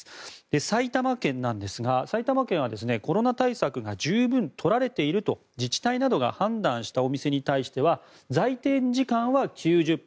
埼玉県なんですが埼玉県はコロナ対策が十分取られていると自治体などが判断したお店に対しては在店時間は９０分。